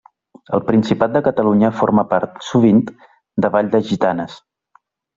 Al Principat de Catalunya forma part, sovint, del ball de gitanes.